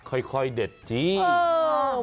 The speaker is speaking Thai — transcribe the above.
ค่อยเด็ดจริง